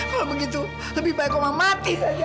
kalau begitu lebih baik oma mati saja